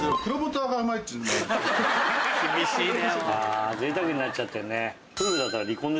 厳しいね。